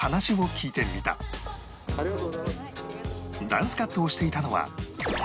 ダンスカットをしていたのはこの